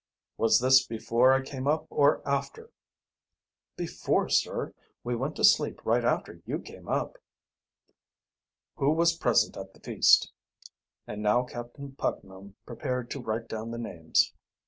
"Was this before I came up or after?" "Before, sir. We went to sleep right after you came up." "Who was present at the feast?" And now Captain Putnam prepared to write down the names.